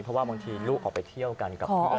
เพราะว่าบางทีลูกออกไปเที่ยวกันกับพ่อ